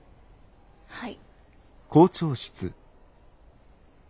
はい。